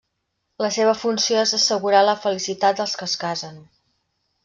La seva funció és assegurar la felicitat dels que es casen.